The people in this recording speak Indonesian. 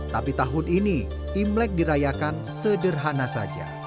tapi tahun ini imlek dirayakan sederhana saja